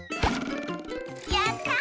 やった！